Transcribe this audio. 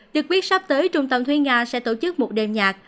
được biết sắp tới trung tâm thúy nga sẽ tổ chức một đêm nhạc